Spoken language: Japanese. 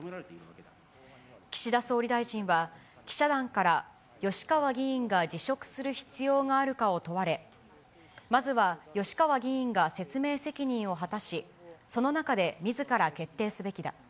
岸田総理大臣は、記者団から、吉川議員が辞職する必要があるかを問われ、まずは吉川議員が説明責任を果たし、その中でみずから決定すべきだ。